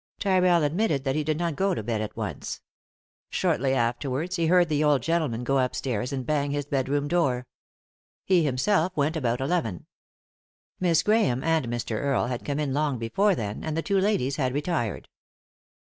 Tyrrell admitted that he did not go to bed at once. Shortly afterwards he heard the old gentleman go upstairs and bang his bedroom door. He himself went about eleven. Miss Grahame and Mr. Earle had come in long before then, and the two ladies had retired.